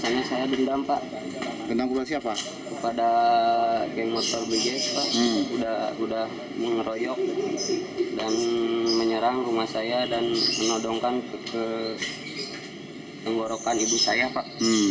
menodongkan ke tenggorokan ibu saya pak